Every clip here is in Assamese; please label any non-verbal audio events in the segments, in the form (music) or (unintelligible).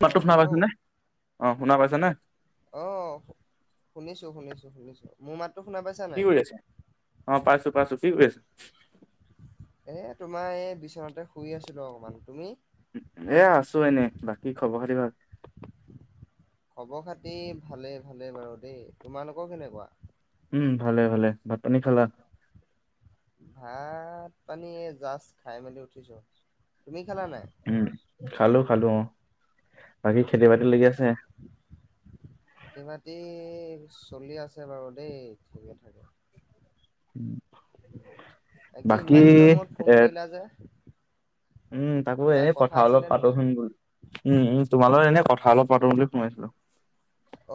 মাততো অ', শুনা হেল্ল' পাইছানে? অ শুনিছো শুনিছো শুনিছো মোৰ মাত। কি কৰি আছ অ' পাইছো পাইছো কি কৰি আছো। এ তোমাৰ এই বিচনাতে শুই আছিলো অকমান তুমি? এ আছো এনে বাকী খবৰ খাতি ভাল। খবৰ খাতি ভালে ভালে বাৰু দেই তোমালোকৰ কেনেকুৱা। উম ভালে ভালে ভাত পানী খালা। ভাত পানী জাষ্ট খাই মেলি উঠিছো তুমি খেলা নাই? উম খালো খালো অ'। বাকী খেতি বাতি অ' লাগি আছে খেতি বাতি। চলি আছে বাৰু দেই ঠিকে থাকে। বাকী ইমান এ। দিনৰ মূৰত ফোন কৰিলা যে উম তাকো কিবা এনে কথা অলপ আছিলে পাত নেকি? চোন উম উ। তোমালৈ এনে কথা অলপ পাতো বুলি ফোন মাৰিছিলো।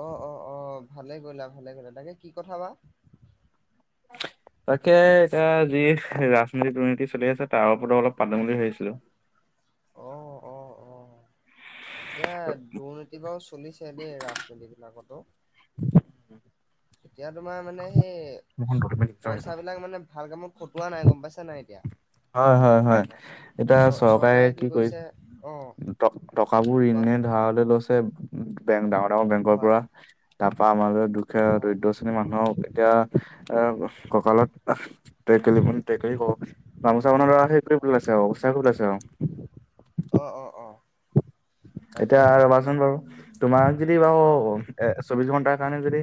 অ অ অ ভালে কৰিলা ভালে কৰিলা তাকে কি কথা বা। তাকে এতিয়া যি। ৰাজনীতি দুৰ্নীতি চলি আছে তাৰ ওপৰতো অলপ পাতো বুলি ভৰিছিলো। অ', অ', (unintelligible) অ'। এতিয়া দুৰ্নীতি বাৰু চলিছে দেই ৰাজনীতি বিলাকতো। এতিয়া তোমাৰ মানে। সেই পইচাাবলাক মানে ভাল কামত খটোৱা নাই। গম পাইছো নাই এতিয়া। হয় হয় হয় এতিয়া চৰকাৰে কি কৰিছে। অ টকাবোৰ এনে কোৱাচোন ধাৰালে লৈছে। বেংক ডাঙৰ ডাঙৰ বেংকৰ হয় পৰা তাৰপা আমাৰ দুখীয়া হয় দৰিদ্ৰ শ্ৰেণীৰ মানুহক এতিয়া। আহ কঁকালত টেকেলি ভোন টেকেলি ক'ব পাৰি গামোচা বানৰ লৰা সেইটোৱে ওলাইছে আৰু উচাহ ওলাচে আও। অ অ অ। (unintelligible) এতিয়া তাকে ৰবাচোন বাৰু তোমাক যদি বাৰু অ এ চৌবিশ ঘন্টাৰ কাৰণে যদি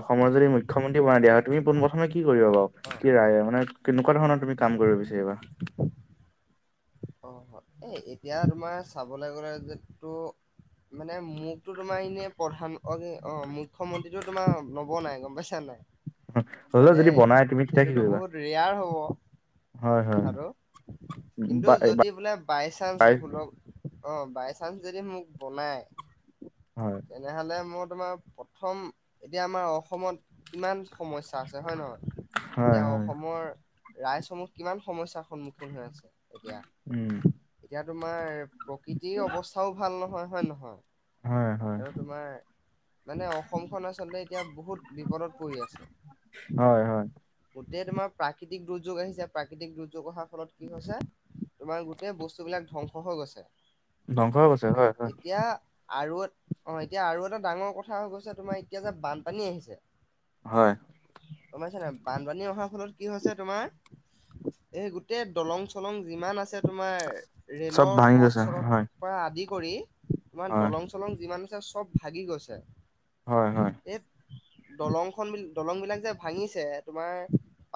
অসম মই যদি মুখ্যমন্ত্ৰী বনাই দিয়া, তুমি পোন প্ৰথম কি কৰিব বাৰু অ কি ৰায় মানে কেনেকুৱা ধৰণৰ তুমি কাম কৰিব বিচাৰিবা? অ এ এতিয়া তোমাৰ চাবলৈ গ'লে যিটো মানে মোকতো তোমাৰ এনে প্ৰধান অ মুখ্যমন্ত্ৰীটো তোমাৰ নব নাই গম পাইছা নাই হ'লেও মানে যদি বনাই তুমি তেতিয়া কি সেইটোতো কৰিবা বহুত ৰেয়াৰ হ'ব। হয় হয় উম। কিটো যদি বোলে বাই চান্স ভুলক অঁ বাই চান্স যদি মোক বনাই তেনেহলে মই তোমাৰ প্ৰথম এতিয়া আমাৰ অসমত কিমান সমস্যা আছে হয় নহয় হয় হয় এতিয়া হয় অসমৰ ৰাজ্যসমূহ কিমান সমস্যাৰ সন্মুখীন হৈ আছে। এতিয়া, উম এতিয়া তোমাৰ প্ৰকৃতিৰ অৱস্থাও ভাল নহয় হয় নহয়? হয় হয়। আৰু তোমাৰ মানে অসমখন আচলতে এতিয়া বহুত বিপদত পৰি আছে। হয় হয় গোটেই তোমাৰ প্ৰাকৃতিক দুৰ্যোগ আহিছে প্ৰাকৃতিক দুৰ্যোগ অহাৰ ফলত কি হৈছে তোমাৰ গোটেই বস্তুবিলাক ধ্বংস হৈ গৈছে। ধ্বংস হৈ গৈছে হয় হয় এতিয়া আৰু অ এতিয়া আৰু এটা ডাঙৰ কথা হৈ গৈছে তোমাৰ এতিয়া যে বানপানী আহিছে হয় গম পাইচা নাই? বানপানী অহাৰ ফলত কি হৈছে তোমাৰ, এই গোটেই দলং চলং যিমান আছে তোমাৰ চব ৰেলৰ ভাঙি পথ গৈছে চৰ হয় পৰা আদি কৰি তোমাৰ হয় দলং চলং যিমান আছে চব ভাগি গৈছে। হয় হয় এই দলং খন বি দলং বিলাক যে ভাঙিছে তোমাৰ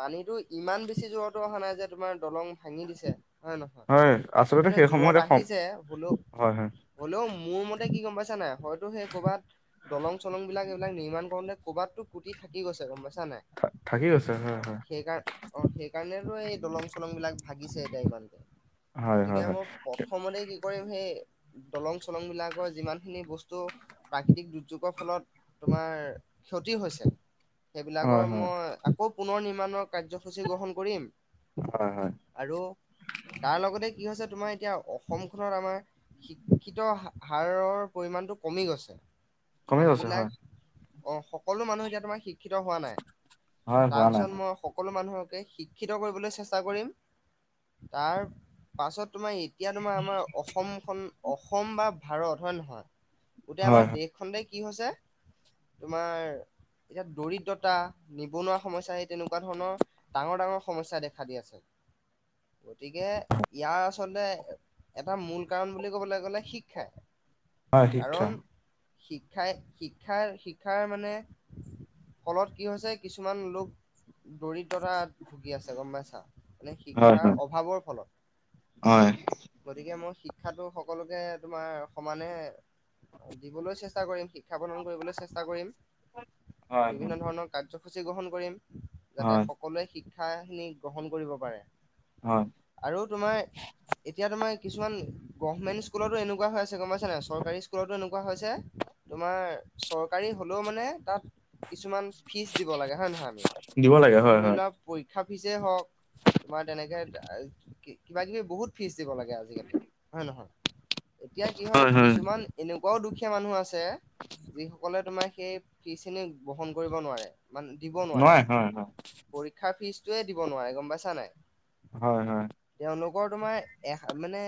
পানীতো ইমান বেছি জোৰৰতো অহা নাই যে তোমাৰ দলং ভাঙি দিছে। হয় নহয় হয় আচলতে মানে সেই জোৰত সময়তে আহিছে হলেও হয় হয়। হ'লেও মোৰ মতে কি গম পাইছা নাই, হয়তো সেই কৰ'বাত দলং চলং বিলাক এইবিলাক নিৰ্মাণ কৰোতে কোবাতটো ফুটি থাকি গৈছে গম পাইছা? চানে, থা থাকি গৈছে হয় সেইকাৰ অ সেইকাৰণেতো এই দলং চলং বিলাক ভাগিছে। ই হয় হয় গতিকে হয় মই প্ৰথমতে কি কৰিম সেই দলং চলং বিলাকৰ যিমানখিনি বস্তু, প্ৰাকৃতিক দুৰ্যোগৰ ফলত তোমাৰ ক্ষতি হৈছে সেইবিলাকৰ হয় হয় হয় মই আকৌ পুনৰ নিৰ্মাণৰ কাৰ্যসূচী গ্ৰহণ কৰিম হয় হয় আৰু তাৰ লগতে কি হৈছে তোমাৰ এতিয়া অসমখনত আমাৰ শিক্ষিত হাৰৰ পৰিমাণটো কমি গৈছে। কমি গৈছে হয় মানুহবিলাক অ সকলো মানুহ এতিয়া তোমাৰ শি শিক্ষিত হোৱা নাই, হয় হোৱা নাই তাৰপিছত হয় মই সকলো মানুহক শিক্ষিত কৰিবলৈ চেষ্টা কৰিম, তাৰ পাছত তোমাৰ এতিয়া তোমাৰ আমাৰ অসমখন অসম বা ভাৰত হয় নহয়, গোটেই হয় আমাৰ দেশখনতে কি হৈছে তোমাৰ এতিয়া দৰিদ্ৰতা নিবনুৱা সমস্যা সেই তেনেকুৱা ধৰণৰ ডাঙৰ ডাঙৰ সমস্যা দেখা দি আছে। (inaudible) গতিকে ইয়াৰ আচলতে এটা মূল কাৰণ বুলি ক'বলৈ গ'লে শিক্ষা। আহ শিক্ষা শিক্ষাই শিক্ষাৰ -শিক্ষাৰ মানে ফলত কি হৈছে কিছুমান লোক দৰিদ্ৰতা ভুগি আছে গম পাইছা? মানে হয় শিক্ষাৰ হয় অভাৱৰ ফলত হয় গতিকে মই শিক্ষাটো সকলোকে তোমাৰ সমানে দিবলৈ চেষ্টা কৰিম শিক্ষা প্ৰদান কৰিবলৈ চেষ্টা কৰিম হয় হয় বিভিন্ন ধৰণৰ কাৰ্যসূচী গ্ৰহণ কৰিম যাতে হয় সকলোৱে শিক ক্ষা খিনি গ্ৰহণ কৰিব পাৰে, হয় আৰু তোমাৰ এতিয়া তোমাৰ কিছুমান গভমেণ্ট স্কুলতো এনেকুৱা হৈ আছে গম পাইছা নাই? চৰকাৰী স্কুলতো এনেকুৱা হৈছে। তোমাৰ চৰকাৰী হলেও মানে তাত কিছুমান ফিজ দিব লাগে, হয় নে নহয় আমি? দিব লাগে এ হয় ধৰি হয় লোৱা পৰীক্ষা ফিজেই হওক তোমাৰ তেনেকে কিবা কিবি বহুত ফিজ দিব লাগে আজিকালি হয় নহয়? এতিয়া কি হয় কিছুমান এনে বৰ দুখীয়া মানুহ আছে, যিসকলে তোমাৰ সেই ফীজখিনি বহন কৰিব নোৱাৰে। মানে দিব নোৱাৰে, পৰীক্ষাৰ ফিজটোয়ে দিব নোৱাৰে গম পাইছা নাই? হয় হয়। ৰ তোমাৰ এ মানে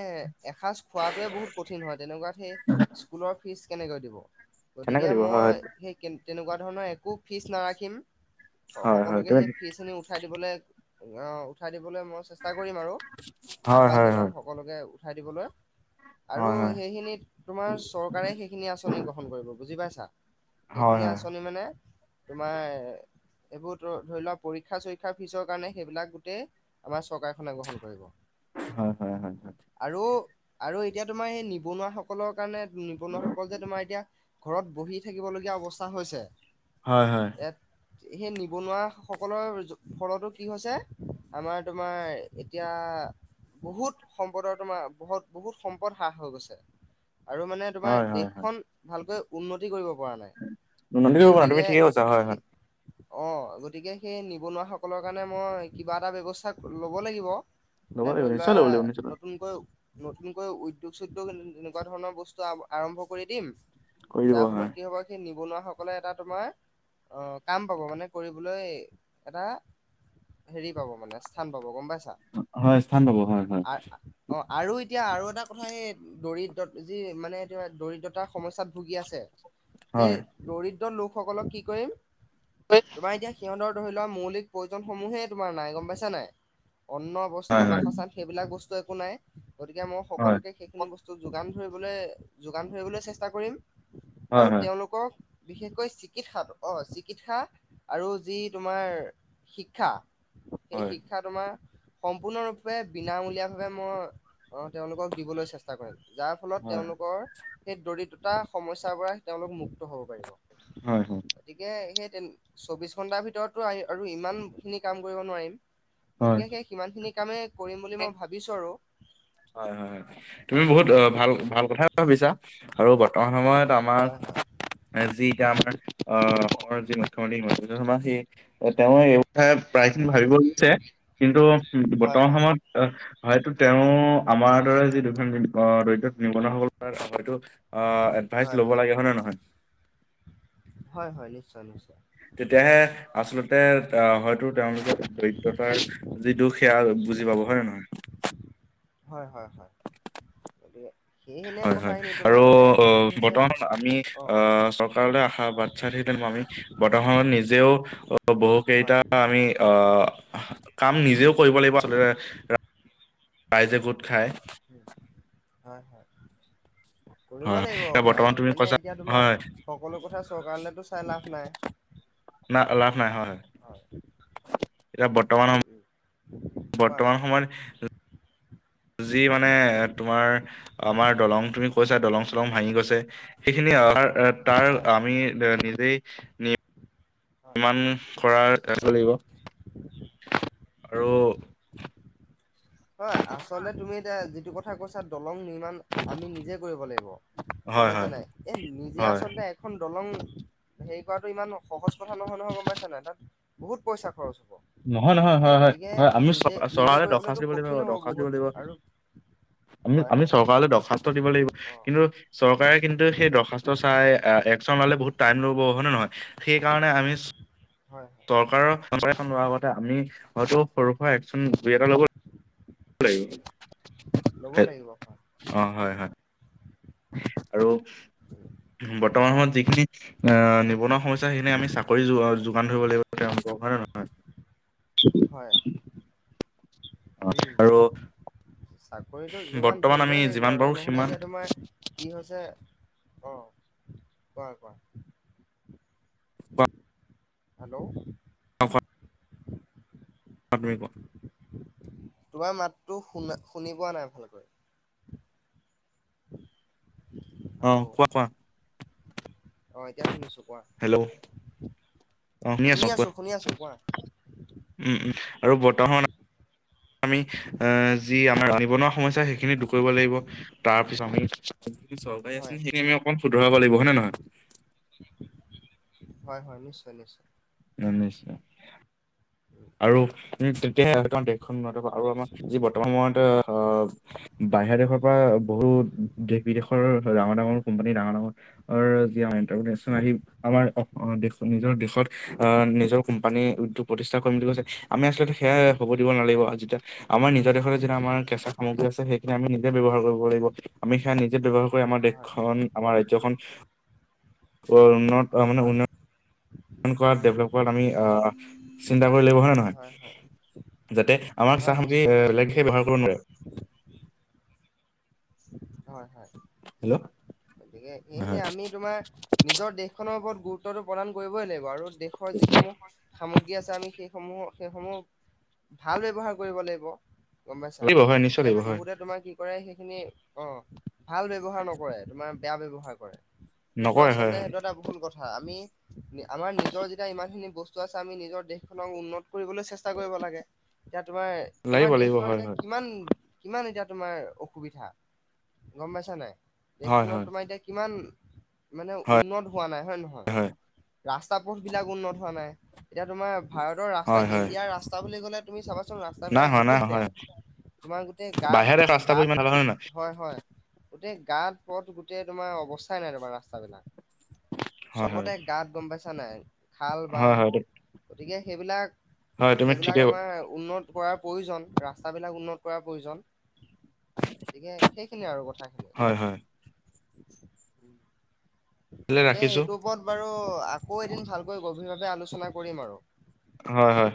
এসাঁজ খোৱাটোৱে বহুত কঠিন হয় তেনেকুৱাত সেই স্কুলৰ ফীজ কেনেকৈ দিব? কেনেকে গতিকে দিব মই হয় সেই কে তেনেকুৱা ধৰণৰ একো ফিজ নাৰাখিম হয় হয় সকলোকে তুমি সেই ফিজখিনি উঠাই দিবলে, অহ উঠাই দিবলৈ মই চেচ ষ্টা কৰিম আৰু হয় আহবান হয় জনাম হয় সকলোকে উঠাই দিবলৈ। আৰু হয় হয় সেইখিনিত তোমাৰ চৰকাৰে সেইখিনি আঁচনি গ্ৰহণ কৰিব বুজি পাইছা? হয় সেইখিনি হয় আঁচনি মানে তোমাৰ এইবোৰ তোৰ ধৰি লোৱা পৰীক্ষা চৰিক্ষাৰ ফিজৰ কাৰণে সেইবিলাক গোটেই আমাৰ চৰকাৰখনে গ্ৰহণ কৰিব। হয় হয় হয় হয়। আৰু আৰু এতিয়া তোমাৰ সেই নিবনুৱাসকলৰ কাৰণে নিবনুৱাসকল যে তোমাৰ এতিয়া ঘৰত বহি থাকিব লগীয়া অৱস্থা হৈছে হয় হয়। ইয়াত সেই নিবনুৱাসকলৰ ফলতো কি হৈছে আমাৰ তোমাৰ এতিয়া বহুত সম্পদৰ তোমাৰ বহুত বহুত সম্পদ হ্ৰাস হৈ গৈছে। আৰু মানে হয় তোমাৰ হয় হয় দেশখন ভালকৈ উন্নতি কৰিব পৰা নাই (unintelligible) তুমি গতিকে ঠিকেই কৈছা হয় হয়। সেই অ গতিকে সেই নিবনুৱাসকলৰ কাৰণে মই কিবা এটা ব্যৱস্থা ল'ব লাগিব। ল'ব এনে লাগিব ধৰি লোৱা নিশ্চয় ল'ব লাগিব নিশ্চয় নতুনকৈ নতুনকৈ উদ্যোগ চুদ্যোগ এনেকুৱা ধৰণৰ বস্তু আৰম্ভ কৰি দিম কৰি দিব যাৰ ফলত হয় কি হ'ব সি নিবনুৱা সক কলে এটা তোমাৰ অ কাম পাব মানে কৰিবলৈ এটা হেৰি পাব মানে স্থান পাব গম পাইচ হয় স্থান পাব হয় হয়। অ আৰু এতিয়া আৰু এটা কথা এই দৰিদ্ৰত যি মানে এতিয়া দৰিদ্ৰতাৰ সমস্যাত ভুগি আছে সেই হয় দৰিদ্ৰ লোকসকলক কি কৰিম, তোমাৰ এতিয়া সিহঁতৰ ধৰি লোৱা মৌলিক প্ৰয়োজনসমূহে তোমাৰ নাই গম পাইছা নাই? অন্ন, বস্ত্র, হয় বাসস্থান সেইবিলাক বস্তু একো নাই, গতিকে মই হয় সকলোকে সেইখিনি বস্তু যোগান ধৰিবলৈ যোগান ধৰিবলৈ চেষ্টা কৰিম হয় আৰু হয় তেওঁলোকক বিশেষকৈ চিকিৎসা অ চিকিৎসা আৰু যি তোমাৰ শিক্ষা সেই হয় শিক্ষা তোমাৰ সম্পূৰ্ণৰূপে বিনামূলীয়াভাৱে মই অ তেওঁলোকক দিবলৈ চেষ্টা কৰিম। যাৰ ফলত হয় তেওঁলোকৰ সেই দৰিদ্ৰতা সমস্যাৰ পৰা তেওঁলোক মুক্ত হব পাৰিব। হয় হয় গতিকে সেই তেন চৌবিশ ঘন্টাৰ ভিতৰতো আৰু ইমানখিনি কাম কৰিব নোৱাৰিম, হয়। গতিকে সেই সিমানখিনি কামেই কৰিম বুলি মই ভাবিছো আৰু। (inaudible) হয় হয় হয়। তুমি বহুত ভাল অ ভাল কথাই ভাবিছা আৰু বৰ্তমান সময়ত আমাৰ হয় হয় যি এতিয়া আমাৰ আহ অসমৰ যি মুখ্যমন্ত্ৰী হিমন্ত বিশ্ব শৰ্মা সেই তেওঁ প্ৰায়খিনি ভাবিব লৈছে কিন্তু হয় হয় বৰ্তমান সময়ত আহ, হয়তো তেওঁ আমাৰ দৰে যি দুখন দৰিদ্ৰ নিবনুৱাসকলৰ হয়তো আ এডভাইচ হয় ল'ব হয় লাগে, হয়নে নহয়? হয় হয় নিশ্চয় নিশ্চয় তেতিয়াহে আচলতে আ হয়তো তেওঁলোকৰ দৰিদ্ৰতাৰ যি দুখ সেয়া বুজি পাব। হয় নে নহয়? হয়-হয়-হয়, যদি হয়, হয় আৰু হৈছে বৰ্তমান আমি অ আ চৰকাৰলৈ আশাবান আমি বৰ্তমানত নিজেও বহু হয় কেইটা আমি আ কাম নিজেও কৰিব লাগিব আচলতে ৰাইজে গোট খাই। হয়, হয়। কৰিব হয় হয় এতিয়া বৰ্তমান লাগিব তুমি মানে কৈছা এতিয়া হয় তোমাৰ সকলো কথা চৰকাৰলৈতো চাই লাভ নাই। ন লাভ নাই হয়। এয়া বৰ্তমান উম স উম কোৱা বৰ্তমান কোৱা সময়ত যি মানে তোমাৰ আমাৰ দলং তুমি কৈছা দলং চলং ভাঙি গৈছে সেইখিনি তাৰ হয় আমি নিজেই নি হয়। কিমান খৰা ৰাখিব লাগিব। আৰু হয় আচলতে তুমি এতিয়া যিটো কথা কৈছা দলং নিৰ আমি নিজে কৰিব লাগিব। হয় গম হয় পাইছানে নাই? এই নিজে হয় আচলতে এখন দলং হেৰি (inaudible) ইমান সহজ কথা নহয় নহয়। গম পাইছা নে নাই? তাত বহুত পইচা খৰচ নহয় নহয় হয় হয় গতিকে হয়। আমি চ নিজে নিজে চৰকাৰলে দৰখাস্ত কৰিবলৈতো দিব লাগিব কঠিন হ'ব দৰখাস্ত দিব বহুত লাগিব। আৰু আমি হয় আমি হয় চৰকাৰলৈ দৰ্খাস্ত দিব লাগিব। অ। কিন্তু চৰকাৰে কিন্তু সেই দৰ্খাস্ত হয় চাই একচন ললে বহুত টাইম ল'ব, হয়নে নহয়? সেইকাৰণে আমি হয় হয় চৰকাৰৰ এখন লোৱাৰ আগতে আমি হয়তো সৰু সুৰা একচন দুই এটা ল'ব লাগিব হয় অ, হয়, হয়। আৰু বৰ্তমান সময়ত যিখিনি আ নিবনুৱা সমস্যা সেইখিনি আমি চাকৰি যোগান ধৰিব লাগিব। তেওঁলোকক হয় নে হয় নহয়? অ' উম। আৰু চাকৰিটো যোগান বৰ্তমান আমি ধৰিবই লাগিব যিমান আৰু পাৰো নহ'লে সিমান এতিয়া তোমাৰ কি হৈছে? অ, কোৱা, কোৱা। কোৱা হেল্ল' (unintelligible) পালুৱাই ক (unintelligible) তোমাৰ মাতটো শুনা শুনি পোৱা নাই ভালকৈ। (inaudible) অ হেল্ল' কোৱা, কোৱা। অ এতিয়া শুনিছো কোৱা। হেল্ল' অ, শুনি আছো কোৱা। উম-উম আৰু বৰ্তমান আমি আ যি আমাৰ নিবনুৱা সমস্যা সেইখিনি দূৰ কৰিব লাগিব। তাৰ পিছত আমি যিখিনি চৰকাৰী হয় আঁচনি সেইখিনি আমি অকমান শুধৰাব লাগিব। হয় নে নহয়? হয়, হয়। নিশ্চয়, নিশ্চয়। নিশ্চয়। আৰু তেতিয়া আমাৰ দেশখন উন্নত হব আৰু আমাৰ যি বৰ্তমান সময়ত আ বাহিৰা দেশৰ পৰা বহুত দেশ বিদেশৰ ডাঙৰ ডাঙৰ কোম্পানী। ডাঙৰ ডাঙৰ যি (unintelligible) আহি আমাৰ দেশ নিজৰ দেশত আ নিজৰ কোম্পানী উদ্যোগ প্ৰতিষ্ঠা বুলি কৈছে আমি আলো সেইয়া হ'ব দিব নালাগিব। যেতিয়া আমাৰ নিজৰ দেশতে যেতিয়া আমাৰ কেঁচা সামগ্ৰী আছে সেই আমি নিজে ব্যৱহাৰ কৰিব লাগিব। আমি সেইয়া নিজে ব্যৱহাৰ আমাৰ হয় দেশখন আমাৰ ৰাজ্যখন উন্নত মানে হয় উন্নত কৰাত ডেভেলপ কৰাত আমি চিন্তা কৰি লাগিব। হয় নে নহয়? যাতে আমাৰ হয় চাহ সামগ্ৰী নিশ্চয় নিশ্চয় বেলেগে ব্যৱহাৰ কৰিব নোৱাৰে। হয়‌ হ‌য়। হেল্ল' গতিকে হয় এইখিনি হয় আমি তোমাৰ নিজৰ দেশ দেশখনৰ ওপৰত গুৰুত্বটো প্ৰদান কৰিবই লাগিব আৰু দেশৰ যিসমূহ সামগ্ৰী আছে আমি সেইসমূহ। সেইসমূহ ভাল ব্যৱহাৰ কৰিব লাগিব। গম পাইছা? লাগিব হয় নিশ্চয় এতিয়া লাগিব হয় বহুতে তোমাৰ কি কৰে সেইখিনি। অ ভাল ব্যৱহাৰ নকৰে তোমাৰ বেয়া ব্যৱহাৰ কৰে। সেইটো নকৰে হয় আচলতে হয় সেইটো এটা ভুল কথা আমি। আমাৰ নিজৰ যেতিয়া ইমানখিনি বস্তু আছে। আমি নিজৰ দেশখনক উন্নত কৰিবলৈ চেষ্টা কৰিব লাগে। এতিয়া তোমাৰ আমাৰ লাগিব লাগিব দেশখনত হয় এতিয়া হয় কিমান কিমান এতিয়া তোমাৰ অসুবিধা গম পাইছা নাই? দেশখনত হয় তোমাৰ এতিয়া কিমান মানে হয় উন্নত হোৱা নাই হয় নহয় হয় ৰাস্তা পথ বিলাক উন্নত হোৱা নাই। এতিয়া তোমাৰ ভাৰতৰ ৰাস্তা হয় হয় হয় ইণ্ডিয়াৰ ৰাস্তা বুলি ক'লে তুমি চাবা। নাই ৰাস্তাবিলাক হোৱা নাই বহুত হোৱা, বেয়া। হয় তোমাৰ গোটেই গাত বাহিৰা দেশৰ ৰাস্তাবোৰ গাত ইমান ভাল হয় নে হয় হয়। গোটেই গাত পথ গোটেই তোমাৰ অৱস্থাই নাই। তোমাৰ ৰাস্তা বিলাক নহয় হয় চবতে গাত গম পাইছা নাই খাল হয় হয় বাম। হয় তু- গতিকে সেইবিলাক হয় তুমি ঠিকে সেইবিলাক আমাৰ উন্নত। কৰাৰ প্ৰয়োজন ৰাস্তাবিলাক উন্নত কৰাৰ প্ৰয়োজন। টৌ গতিকে সেইখিনিয়ে আৰু কথাখিনি। তেতিয়াহ'লে তাকে ৰাখিছো এইটোৰ ওপৰত বাৰু আকৌ এদিন ভালকৈ গভীৰভাৱে আলোচনা কৰিম আৰু হয় হয়।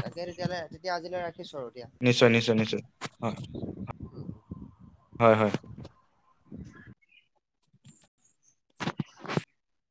তাকে তেতিয়াহলে তেতিয়া আজিলৈ ৰাখি। নিশ্চয় নিশ্চয় নিশ্চয় হয়। হয় হয়। (unintelligible) (unintelligible)